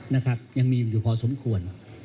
นะครับยังมีอยู่พอสมควร